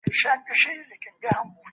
هغه به لږ غږ سره خبرې کولې.